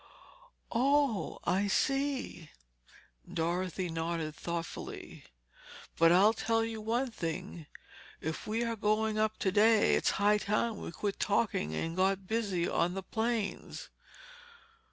"Oh, I see," Dorothy nodded thoughtfully. "But I'll tell you one thing. If we are going up today, it's high time we quit talking and got busy on the planes."